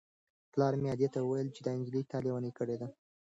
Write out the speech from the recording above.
پلار مې ادې ته وویل چې دا نجلۍ تا لېونۍ کړې ده.